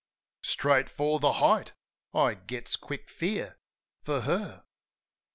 Straight for "The Height," I gets quick fear for Her.